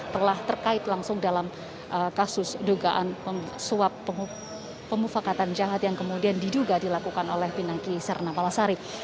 telah terkait langsung dalam kasus dugaan suap pemufakatan jahat yang kemudian diduga dilakukan oleh pinangki serna palasari